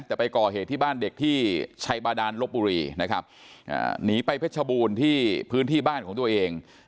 แต่ไปก่อเหตุที่บ้านเด็กที่ชัยบาดานลบบุรีนะครับหนีไปเพชรบูรณ์ที่พื้นที่บ้านของตัวเอง